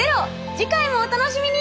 次回もお楽しみに！